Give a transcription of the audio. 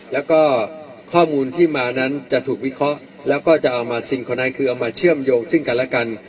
แล้วก็ข้อมูลที่มานั้นจะถูกวิเคราะห์แล้วก็จะเอามาสิ่งของนั้นคือเอามาเชื่อมโยงซึ่งกันและกัน